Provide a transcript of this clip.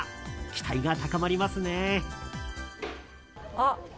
期待が高まりますね。